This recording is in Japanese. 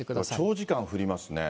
長時間降りますね。